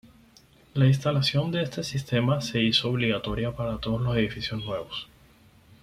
La instalación de este sistema se hizo obligatoria para todos los edificios nuevos.